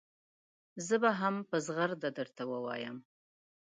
زه به هم په زغرده درته ووایم.